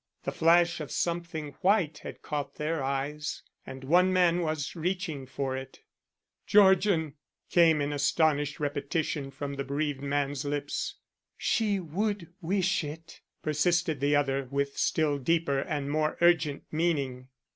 The flash of something white had caught their eyes and one man was reaching for it. "Georgian," came in astonished repetition from the bereaved man's lips. "She would wish it," persisted the other with still deeper and more urgent meaning.